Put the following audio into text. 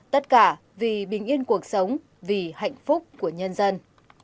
tất cả vì bình yên cuộc sống vì hạnh phúc của nhân dân